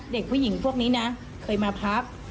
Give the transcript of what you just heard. เด็กผู้หญิงพวกนี้นะเคยมาพัก